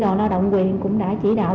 đoàn lao động quyền cũng đã chỉ đạo